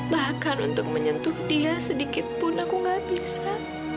bahkan untuk menyentuh dia sedikit pun aku gak bisa